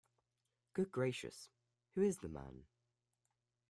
Good gracious, who is the man?